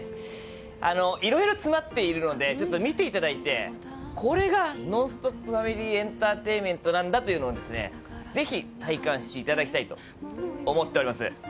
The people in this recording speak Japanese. いろいろ詰まっているので見ていただいてこれがノンストップファミリーエンターテインメントなんだというのをぜひ体感していただきたいと思っております。